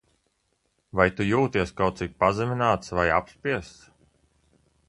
Vai tu jūties kaut cik pazemināts vai apspiests?